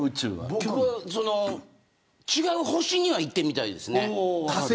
僕は、違う星には行ってみたいですね。